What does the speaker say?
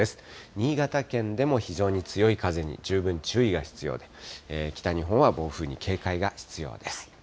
新潟県でも非常に強い風に十分注意が必要で、北日本は暴風に警戒が必要です。